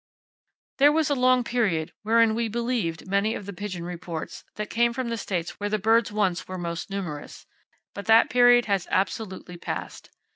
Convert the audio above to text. There was a long period wherein we believed many of the pigeon reports that came from the states where the birds once were most numerous; but that period has absolutely passed.